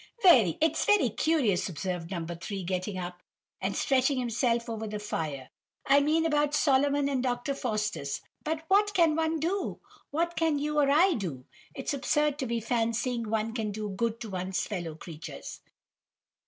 "It's very curious," observed No. 3, getting up, and stretching himself over the fire, "I mean about Solomon and Dr. Faustus. But what can one do? What can you or I do? It's absurd to be fancying one can do good to one's fellow creatures."